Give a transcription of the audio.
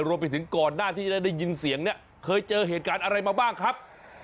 รวมไปถึงก่อนหน้าที่จะได้ยินเสียงเนี่ยเคยเจอเหตุการณ์อะไรมาบ้างครับ